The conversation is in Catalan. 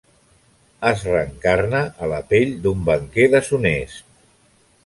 Es reencarna a la pell d'un banquer deshonest.